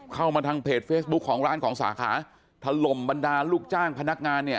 ทางเพจเฟซบุ๊คของร้านของสาขาถล่มบรรดาลูกจ้างพนักงานเนี่ย